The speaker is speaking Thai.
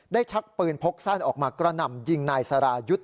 ชักปืนพกสั้นออกมากระหน่ำยิงนายสรายุทธ์